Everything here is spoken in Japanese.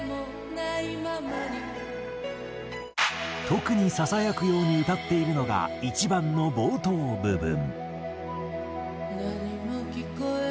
特にささやくように歌っているのが１番の冒頭部分。